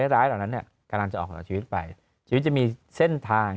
ร้ายเหล่านั้นเนี่ยกำลังจะออกจากชีวิตไปชีวิตจะมีเส้นทาง